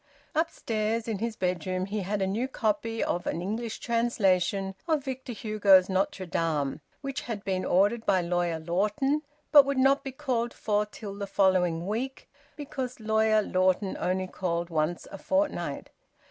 Upstairs in his bedroom he had a new copy of an English translation of Victor Hugo's "Notre Dame," which had been ordered by Lawyer Lawton, but would not be called for till the following week, because Lawyer Lawton only called once a fortnight.